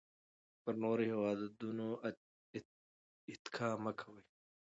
پر نورو هېوادونو اتکا مه کوئ.